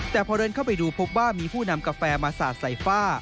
แต่พอเดินเข้าไปดูพบว่ามีผู้นำกาแฟมาสาดใส่ฝ้า